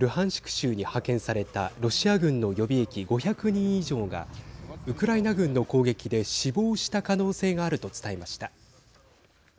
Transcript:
州に派遣されたロシア軍の予備役５００人以上がウクライナ軍の攻撃で死亡した可能性があると伝えました。